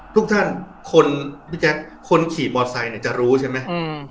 ทุกท่านคนขี่มอเตอร์ไซค์จะรู้ใช่ไหม